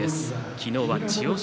昨日は千代翔